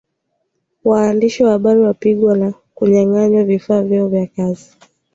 waandishi wa habari wakipigwa na kunyang anywa vifaa vyao vya kazi